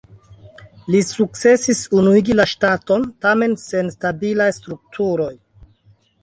Li sukcesis unuigi la ŝtaton, tamen sen stabilaj strukturoj.